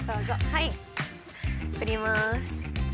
はい振ります。